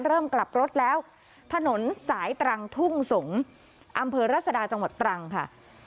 กลับรถแล้วถนนสายตรังทุ่งสงศ์อำเภอรัศดาจังหวัดตรังค่ะ